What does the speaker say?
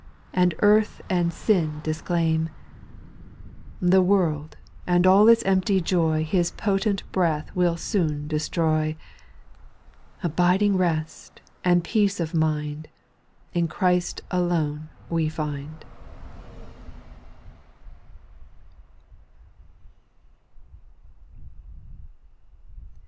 And earth and sin disclaim : The world and all its empty joy His potent breath will soon destroy ; A biding rest and peace of mind. In Christ alone we find.